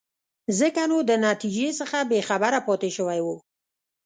ځکه نو د نتیجې څخه بې خبره پاتې شوی وو.